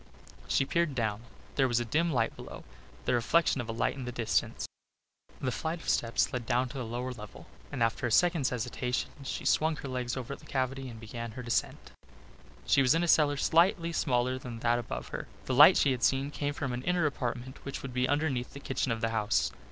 She peered down. There was a dim light below the reflection of a light in the distance. A flight of steps led down to the lower level and after a second's hesitation she swung her legs over the cavity and began her descent. She was in a cellar slightly smaller than that above her. The light she had seen came from an inner apartment which would be underneath the kitchen of the house.